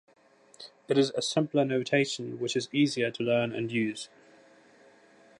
It is a simpler notation, which is easier to learn and use.